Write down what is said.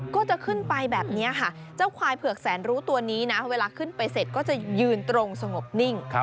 ก็จะขึ้นไปแบบนี้ค่ะเจ้าควายเผือกแสนรู้ตัวนี้นะเวลาขึ้นไปเสร็จก็จะยืนตรงสงบนิ่ง